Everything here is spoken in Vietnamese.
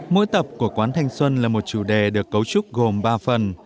mỗi tập của quán thanh xuân là một chủ đề được cấu trúc gồm ba phần